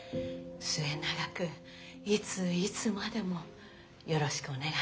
末永くいついつまでもよろしくお願いします。